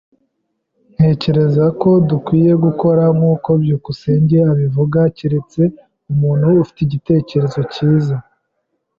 Ntekereza ko dukwiye gukora nkuko byukusenge abivuga, keretse umuntu ufite igitekerezo cyiza.